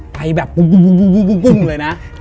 ไปแบบปุ้งเลยนะ